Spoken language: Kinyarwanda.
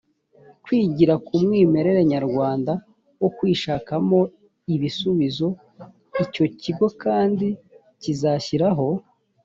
kwigira ku mwimerere nyarwanda wo kwishakamo ibisubizo icyo kigo kandi kizashyiraho